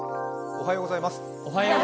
おはようございます。